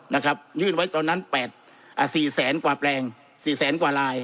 นะครับยื่นไว้ตอนนั้น๘๔แสนกว่าแปลงสี่แสนกว่าลาย